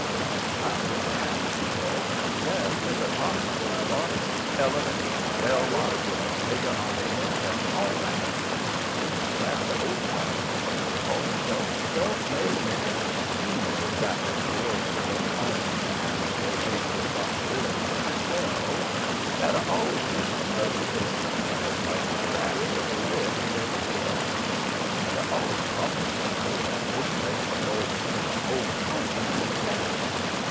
"Confound it, man!" he says, "they're sick of hot and cold water, elevators, bell wires with a nigger on the end, and all that. There's a raft of old codgers that call themselves 'self made men' meanin' that the Creator won't own 'em, and they take the responsibility themselves that are always wishing they could go somewheres like the shacks where they lived when they were kids. They're always talking about it, and wishing they could go to the old home and rest.